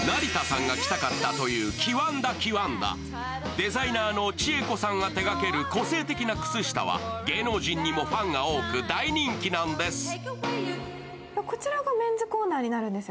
デザイナーの知恵子さんが手がける個性的な靴下は芸能人にもファンが多く、大人気なんです。